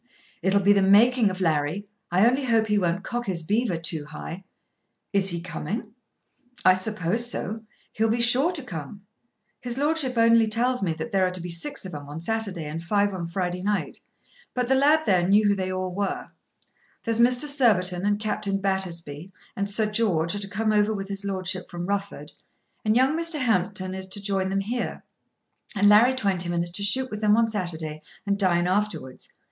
"It'll be the making of Larry. I only hope he won't cock his beaver too high." "Is he coming?" "I suppose so. He'll be sure to come. His Lordship only tells me that there are to be six of 'em on Saturday and five on Friday night. But the lad there knew who they all were. There's Mr. Surbiton and Captain Battersby and Sir George are to come over with his lordship from Rufford. And young Mr. Hampton is to join them here, and Larry Twentyman is to shoot with them on Saturday and dine afterwards.